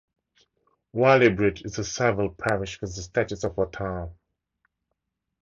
Whaley Bridge is a civil parish with the status of a town.